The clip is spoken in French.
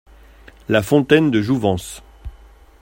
La fontaine de jouvence.